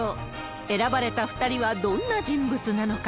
選ばれた２人はどんな人物なのか。